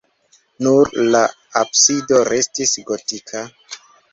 Nur la absido restis gotika.